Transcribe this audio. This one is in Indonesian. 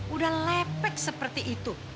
udah lepek seperti itu